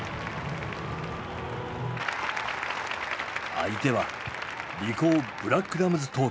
相手はリコーブラックラムズ東京。